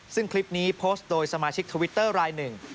ซึ่งคลิปนี้โพสต์โดยสมาชิกทวิตเตอร์รายหนึ่ง